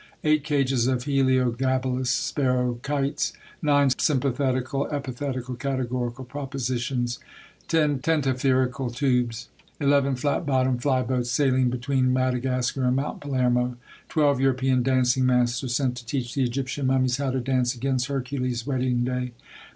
Eight cages of heliogabalus sparrow kites. Nine sympathetical, epithetical, categorical propositions. Ten tentapherical tubes. Eleven flat bottom fly boats sailing between Madagascar and Mount Palermo. Twelve European dancing masters, sent to teach the Egyptian mummies how to dance, against Hercules' wedding day.